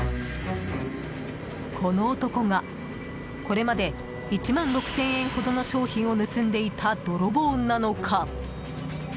この男が、これまで１万６０００円ほどの商品を盗んでいた泥棒なのか？